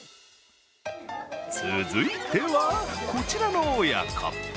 続いては、こちらの親子。